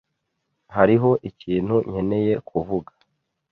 Hariho ikintu nkeneye kuvuga.